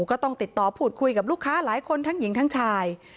ก็ต้องติดต่อพูดคุยกับลูกค้าหลายคนทั้งหญิงทั้งชาย